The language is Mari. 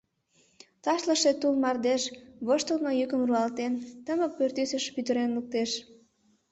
Ташлыше тул мардеж, воштылмо йӱкым руалтен, тымык пӱртӱсыш пӱтырен луктеш.